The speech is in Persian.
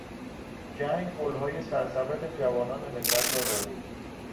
جنگ گلهای سرسبد جوانان ملت را ربود.